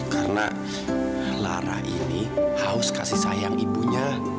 karena lara ini haus kasih sayang ibunya